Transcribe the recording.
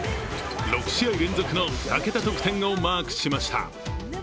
６試合連続の２桁得点をマークしました。